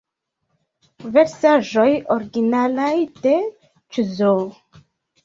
Versaĵoj originalaj de Cz.